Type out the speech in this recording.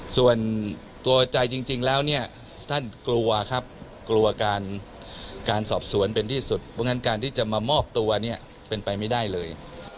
ส่วนตัวใจจริงแล้วเนี่ยท่านกลัวครับกลัวการสอบสวนเป็นที่สุดเพราะฉะนั้นการที่จะมามอบตัวเนี่ยเป็นไปไม่ได้เลย